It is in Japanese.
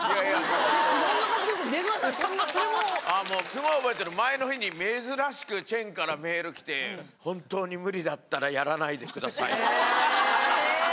スゴい覚えてる前の日に珍しくチェンからメール来て「本当に無理だったらやらないでください」。